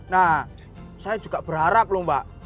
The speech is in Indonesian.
nah saya juga berharap loh mbak